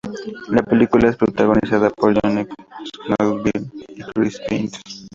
La película es protagonizada por Johnny Knoxville y Chris Pontius.